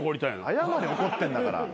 謝れ怒ってんだから。